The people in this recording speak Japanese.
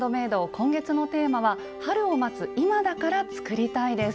今月のテーマは「春を待つ今だから作りたい」です。